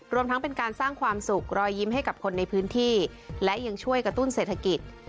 รวมทั้งเป็นการสร้างความสุขรอยยิ้มให้กับคนในพื้นที่และยังช่วยกระตุ้นเศรษฐกิจ